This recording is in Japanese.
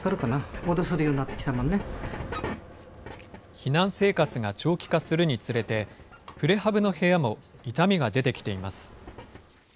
避難生活が長期化するにつれて、プレハブの部屋も傷みが出てきています。